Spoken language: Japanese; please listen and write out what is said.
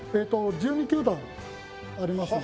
１２球団ありますので。